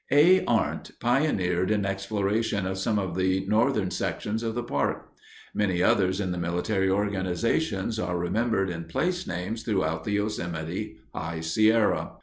A. Arndt pioneered in exploration of some of the northern sections of the park. Many others in the military organizations are remembered in place names throughout the Yosemite High Sierra.